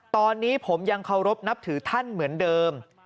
ตอนนี้ผมยังเคารพนับถือท่านเหมือนเดิม